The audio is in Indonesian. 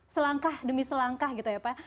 selangkah demi selangkah gitu ya pak